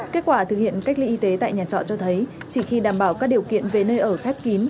kết quả thực hiện cách ly y tế tại nhà trọ cho thấy chỉ khi đảm bảo các điều kiện về nơi ở khép kín